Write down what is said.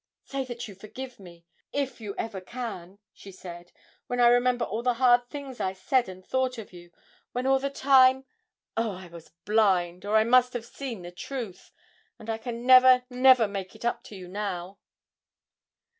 'Say that you forgive me if you ever can!' she said, 'when I remember all the hard things I said and thought of you, when all the time oh, I was blind, or I must have seen the truth! And I can never, never make it up to you now!'